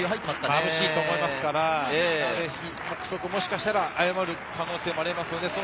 まぶしいと思いますから、もしかしたら誤る可能性もありますね。